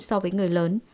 so với người lớn